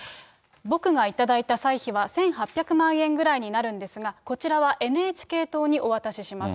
僕が頂いた歳費は１８００万円くらいになるんですが、こちらはＮＨＫ党にお渡しします。